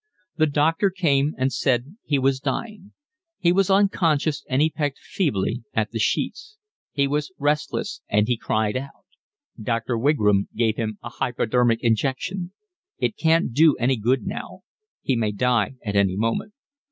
The doctor came and said he was dying. He was unconscious and he pecked feebly at the sheets; he was restless and he cried out. Dr. Wigram gave him a hypodermic injection. "It can't do any good now, he may die at any moment."